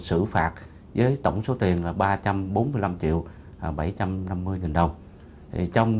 xử phạt với tổng số tiền là ba trăm bốn mươi năm triệu bảy trăm năm mươi nghìn đồng trong